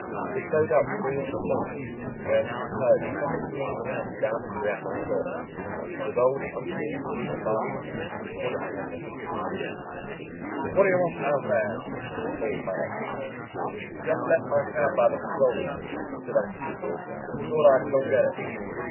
He had sewed up three of his points when we heard somebody moving around down on the reactor floor. It was old Uncle Pete Barker, one of the technicians. "What you want down there?" bawled Mattup. "Just left my cap by the control room," said Uncle Pete, "and thought I'd go get it."